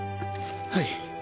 はい。